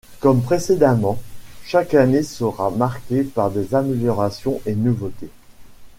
Comme précédemment, chaque année sera marqué par des améliorations et nouveautés.